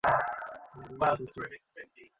আবার কখনো আমার সাথে দেখা করবে?